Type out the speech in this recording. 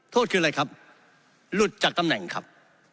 โทษคืออะไรครับหลุดจากตำแหน่งครับ